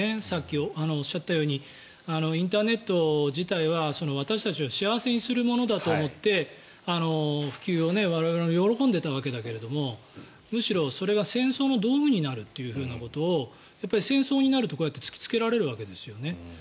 さっき、おっしゃったようにインターネット自体は私たちを幸せにするものだと思って普及を我々は喜んでいたわけだけれどむしろそれは戦争の道具になるということを戦争になると、こうやって突きつけられるわけですよね。